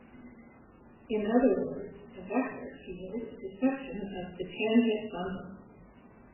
In other words, a vector field is a section of the tangent bundle.